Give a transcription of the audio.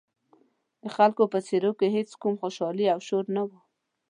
د خلکو په څېرو کې هېڅ کوم خوشحالي او شور نه و.